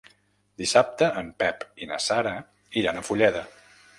Dissabte en Pep i na Sara iran a Fulleda.